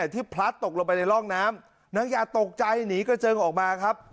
พลัดตกลงไปในร่องน้ำนางยาตกใจหนีกระเจิงออกมาครับ